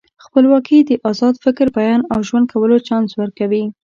خپلواکي د ازاد فکر، بیان او ژوند کولو چانس ورکوي.